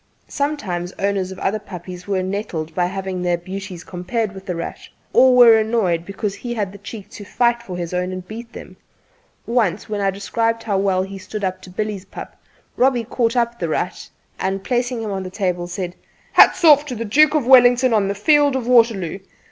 Sometimes owners of other puppies were nettled by having their beauties compared with "The Rat," or were annoyed because he had the cheek to fight for his own and beat them. Once, when I had described how well he had stood up to Billy's pup, Robbie caught up "The Rat," and placing him on the table, said: "Hats off to the Duke of Wellington on the field of Waterloo."